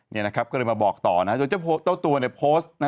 วันนี้ก็เลยมาบอกต่อโต้เต้าตัวในโพสต์